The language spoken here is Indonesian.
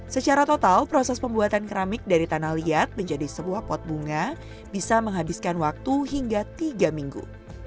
secara total proses pembuatan keramik dari tanah liat menjadi sebuah pot bunga bisa menghabiskan waktu hingga tiga minggu